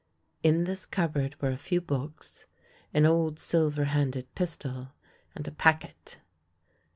In this cupboard were a few books, an old silver handled pistol, and a packet.